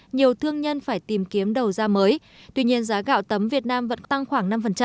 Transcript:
nhiều thương nhân phải tìm kiếm đầu ra mới tuy nhiên giá gạo tấm việt nam vẫn tăng khoảng năm